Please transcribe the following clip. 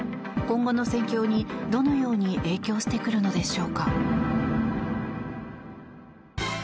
今後の戦況にどのように影響してくるのでしょうか。